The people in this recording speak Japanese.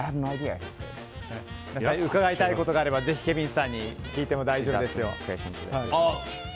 伺いたいことがあればぜひ、ケビンさんに聞いても大丈夫ですよ。